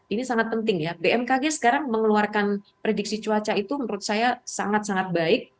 ini sangat penting ya bmkg sekarang mengeluarkan prediksi cuaca itu menurut saya sangat sangat baik